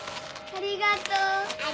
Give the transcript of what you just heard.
ありがとう。